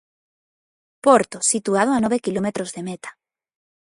Porto situado a nove quilómetros de meta.